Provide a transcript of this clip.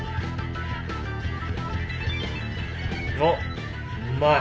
おっうまい